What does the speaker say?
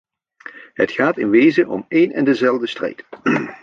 Het gaat in wezen om één en dezelfde strijd.